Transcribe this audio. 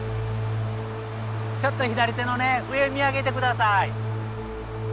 ちょっと左手の上見上げて下さい。